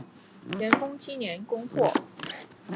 咸丰七年攻破。